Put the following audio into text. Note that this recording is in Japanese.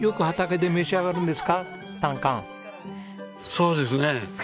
そうですね。